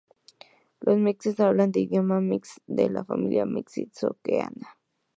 Los mixes hablan el idioma mixe, de la familia mixe-zoqueana.